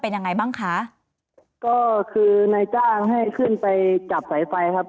เป็นยังไงบ้างคะก็คือนายจ้างให้ขึ้นไปจับสายไฟครับ